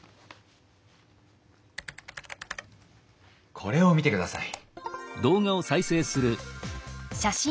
これを見てください。